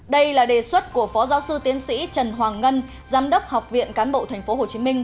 đây là đề xuất của phó giáo sư tiến sĩ trần hoàng ngân giám đốc học viện cán bộ tp hcm